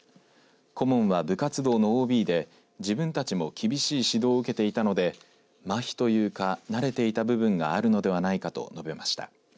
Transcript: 顧問は部活動のＯＢで自分たちも厳しい指導を受けていたのでまひというか慣れていた部分があるのではないかと述べました。